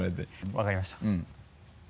分かりました。